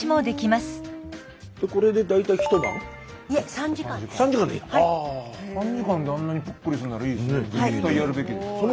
３時間であんなにぷっくりするならいいですね。